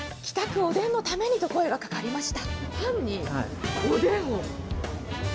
おでんのためにと声がかかりました。